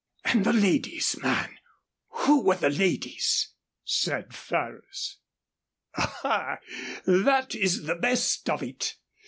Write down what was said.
"And the ladies, man? Who were the ladies?" said Ferrers. "Aha! that is the best of it.